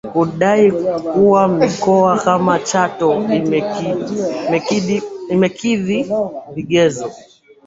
kudai kuwa mikoa kama Chato imekidhi vigezo